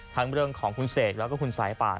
ทั้งเรื่องของคุณเศกแล้วก็คุณไสปาล